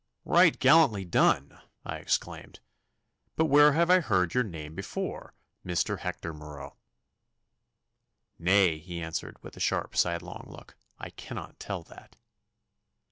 'Right gallantly done!' I exclaimed. 'But where have I heard your name before, Mr. Hector Marot?' 'Nay,' he answered, with a sharp, sidelong look, 'I cannot tell that.